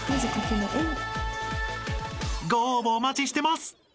［ご応募お待ちしてます］